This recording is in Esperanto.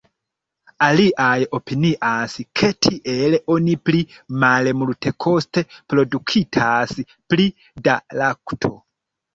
Aliaj opinias, ke tiel oni pli malmultekoste produktas pli da lakto.